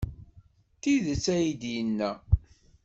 D tidet ay d-yenna.